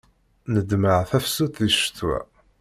Neḍmeɛ tafsut di ccetwa.